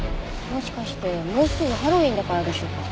もしかしてもうすぐハロウィーンだからでしょうか？